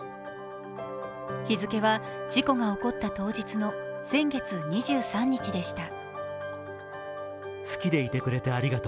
日付は事故が起こった当日の先月２３日でした。